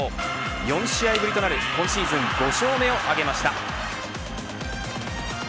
４試合ぶりとなる今シーズン５勝目を挙げました。